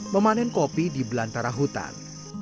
memanen kopi di belantara hutan